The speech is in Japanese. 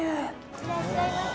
いらっしゃいませ！